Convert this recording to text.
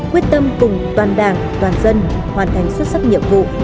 quyết tâm cùng toàn đảng toàn dân hoàn thành xuất sắc nhiệm vụ